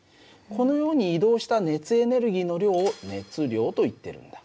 このように移動した熱エネルギーの量を熱量といってるんだ。